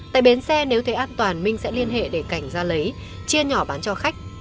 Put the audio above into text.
tại bến xe nếu thấy an toàn minh sẽ liên hệ để cảnh ra lấy chia nhỏ bán cho khách